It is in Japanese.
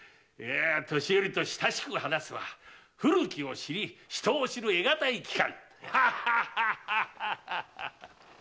年寄りと親しく話すは古きを知り人を知る得難い機会。